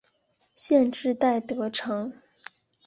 县治戴德城。